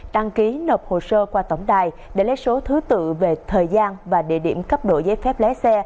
đăng ký nộp hồ sơ qua tổng đài để lấy số thứ tự về thời gian và địa điểm cấp đổi giấy phép lái xe